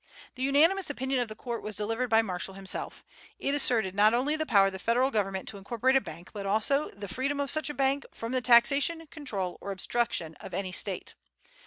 The unanimous opinion of the court was delivered by Marshall. It asserted not only the power of the Federal government to incorporate a bank, but also the freedom of such a bank from the taxation, control, or obstruction of any State.